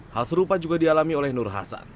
hal serupa juga dialami oleh nur hasan